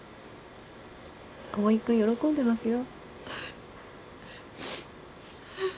蒼君喜んでますよ。